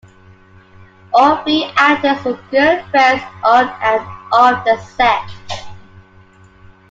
All three actors were good friends on and off the set.